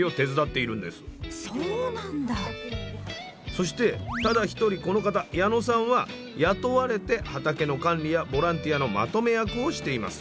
そしてただ一人この方矢野さんは雇われて畑の管理やボランティアのまとめ役をしています。